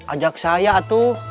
ajak saya atuh